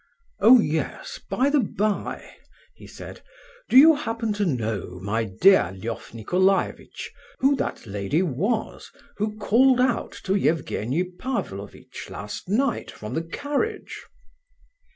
"Oh yes, by the by," he said, "do you happen to know, my dear Lef Nicolaievitch, who that lady was who called out to Evgenie Pavlovitch last night, from the carriage?"